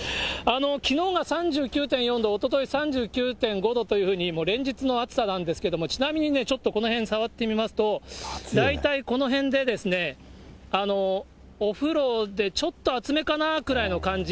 きのうが３９．４度、おととい３９．５度というふうに、連日の暑さなんですけれども、ちなみにね、ちょっとこの辺触ってみますと、大体この辺でお風呂でちょっと熱めかなくらいの感じ。